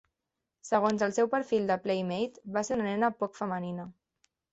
Segons el seu perfil de Playmate, va ser una nena poc femenina.